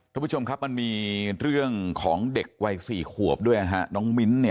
ทุกผู้ชมครับมันมีเรื่องของเด็กวัย๔ขวบด้วยนะคะ